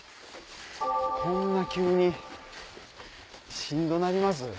こんな急にしんどなります？